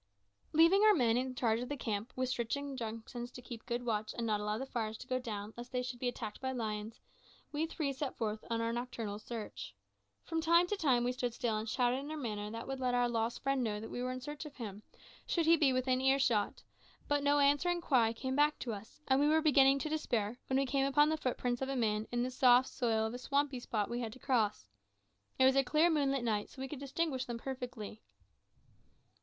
Leaving our men in charge of the camp, with strict injunctions to keep good watch and not allow the fires to go down, lest they should be attacked by lions, we three set forth on our nocturnal search. From time to time we stood still and shouted in a manner that would let our lost friend know that we were in search of him, should he be within earshot, but no answering cry came back to us; and we were beginning to despair, when we came upon the footprints of a man in the soft soil of a swampy spot we had to cross. It was a clear moonlight night, so that we could distinguish them perfectly.